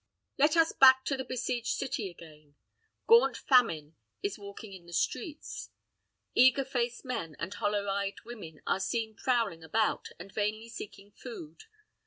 Let us back to the besieged city again. Gaunt famine is walking in the streets; eager faced men, and hollow eyed women are seen prowling about, and vainly seeking food.